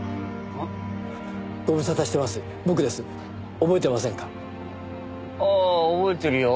ああ覚えてるよ。